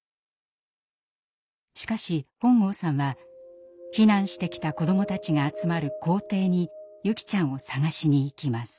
しかし本郷さんは避難してきた子どもたちが集まる校庭に優希ちゃんを捜しに行きます。